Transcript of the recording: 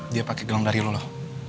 dia pakai gelombang dari lu loh